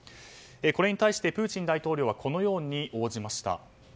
これに対してプーチン大統領はこのように応じました。